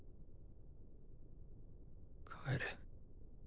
帰れ。